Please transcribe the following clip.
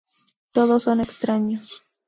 Todos son extraños.